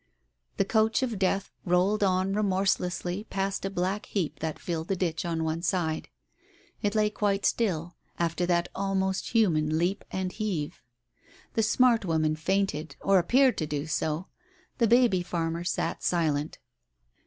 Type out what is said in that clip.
The Coach of Death rolled on remorselessly past a black heap that filled the ditch on one side. It lay quite still, after that almost human leap and heave. ... The smart woman fainted, or appeared to do so. The baby farmer sat silent.